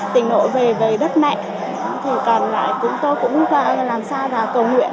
tình nội về đất nạn còn lại chúng tôi cũng làm sao và cầu nguyện